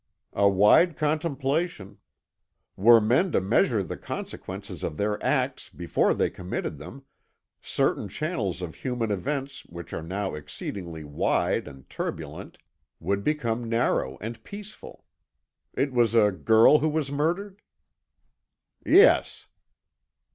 "A wide contemplation. Were men to measure the consequences of their acts before they committed them, certain channels of human events which are now exceedingly wide and turbulent would become narrow and peaceful. It was a girl who was murdered?" "Yes."